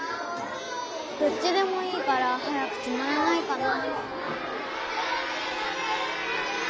どっちでもいいから早くきまらないかな。